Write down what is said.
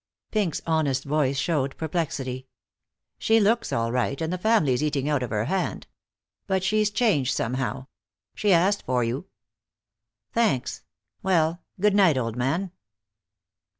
Pink's honest voice showed perplexity. "She looks all right, and the family's eating out of her hand.. But she's changed somehow. She asked for you." "Thanks. Well, good night, old man."